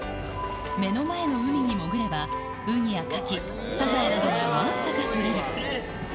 目の前の海に潜れば、ウニやカキ、サザエなどがわんさか取れる。